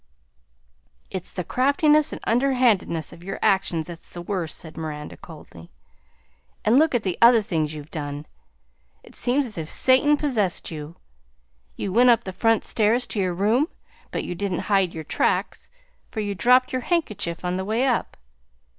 "It's the craftiness and underhandedness of your actions that's the worst," said Miranda coldly. "And look at the other things you've done! It seems as if Satan possessed you! You went up the front stairs to your room, but you didn't hide your tracks, for you dropped your handkerchief on the way up.